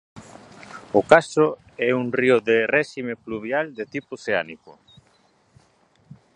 O Castro é un río de réxime pluvial de tipo oceánico.